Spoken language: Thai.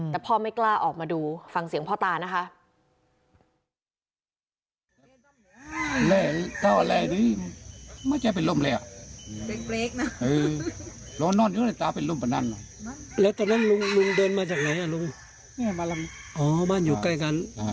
แต่พ่อไม่กล้าออกมาดูฟังเสียงพ่อตานะคะ